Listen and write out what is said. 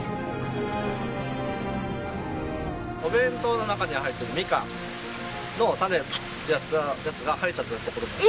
お弁当の中に入っているミカンの種をプッとやったやつが生えちゃったところもある。